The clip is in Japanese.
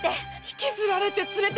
引きずられてねぇ。